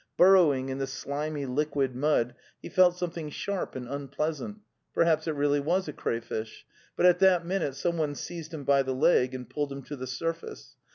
Burrowing in the slimy, liquid mud, he felt something sharp and unpleasant — perhaps it really was a crayfish. But at that minute someone seized him by the leg and pulled him to the surface.